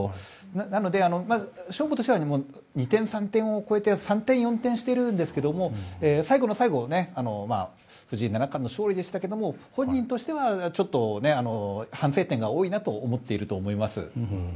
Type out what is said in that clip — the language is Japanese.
なので、勝負としては二転三転を超えて三転四転してるんですけども最後の最後藤井七冠の勝利でしたが本人としては反省点が多いなと思っていると思います。